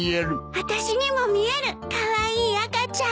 あたしにも見えるカワイイ赤ちゃん。